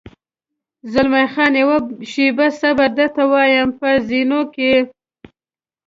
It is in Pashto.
زلمی خان: یوه شېبه صبر، درته وایم، په زینو کې.